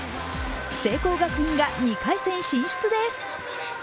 聖光学院が２回戦進出です。